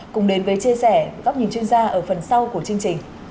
cùng đến với chia sẻ góc nhìn chuyên gia ở phần sau của chương trình